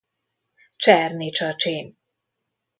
Cserni Csacsin.